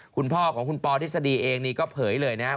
คุณพ่อของคุณปอทฤษฎีเองนี่ก็เผยเลยนะครับ